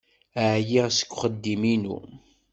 Ɛyiɣ seg uxeddim-inu.